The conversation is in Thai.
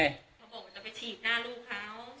เขาบอกว่าจะไปฉีกหน้าลูกเขา